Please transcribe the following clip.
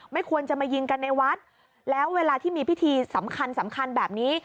มายิงกันในวัดแล้วเวลาที่มีพิธีสำคัญแบบนี้